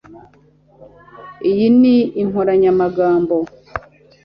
Iyi ni inkoranyamagambo